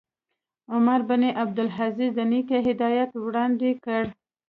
عمر بن عبدالعزیز د نیکه عدالت وړاندې کړ.